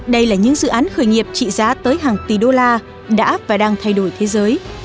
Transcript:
đây là những dự án khởi nghiệp trị giá tới hàng tỷ đô la đã và đang thay đổi thế giới